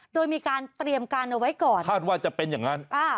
โดยมีการเตรียมการเอาไว้ก่อนคาดว่าจะเป็นอย่างนั้น